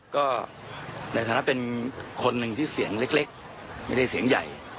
ก็ในฐานะเป็นคนหนึ่งที่เสียงเล็กไม่ได้เสียงใหญ่